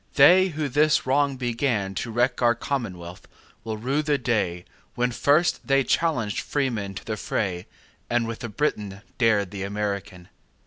They who this wrong beganTo wreck our commonwealth, will rue the dayWhen first they challenged freemen to the fray, And with the Briton dared the American.